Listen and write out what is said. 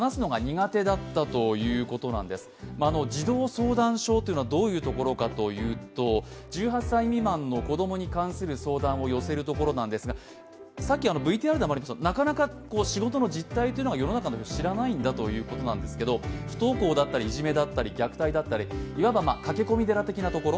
児童相談所というのはどういうところかというと、１８歳未満の子どもに関する相談を寄せるところなんですが、なかなか仕事の実態が世の中の方、知らないんだということですけれども不登校だったりいじめだったり虐待だったり、いわゆる駆け込み寺的なところ。